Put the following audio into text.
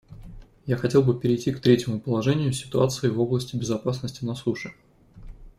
Я хотел бы перейти к третьему положению — ситуации в области безопасности на суше.